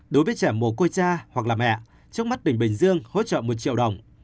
đối với trẻ mổ côi cha hoặc là mẹ trong mắt tỉnh bình dương hỗ trợ một triệu đồng